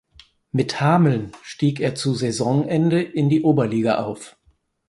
Mit Hameln stieg er zu Saisonende in die Oberliga auf.